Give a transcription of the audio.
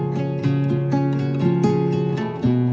đều có nguyên liệu